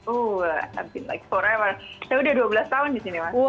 oh udah selama berapa